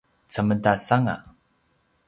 cemedas anga